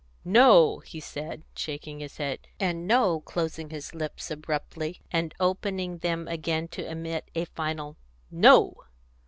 "No!" he said, shaking his head, and "No!" closing his lips abruptly, and opening them again to emit a final "No!"